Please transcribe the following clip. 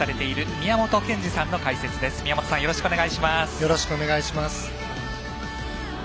宮本さん、よろしくお願いします。